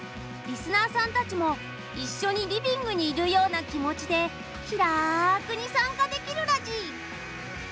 リスナーさんたちも一緒にリビングにいるような気持ちで気らくに参加できるラジ。